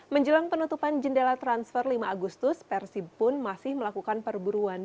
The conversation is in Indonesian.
menjelang penutupan jendela transfer lima agustus persib pun masih melakukan perburuan